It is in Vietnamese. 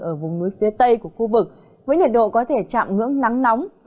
ở vùng núi phía tây của khu vực với nhiệt độ có thể chạm ngưỡng nắng nóng